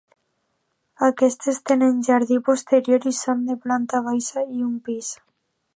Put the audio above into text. Aquestes tenen jardí posterior i són de planta baixa i un pis.